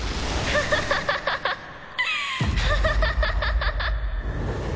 ハハハハハハハ！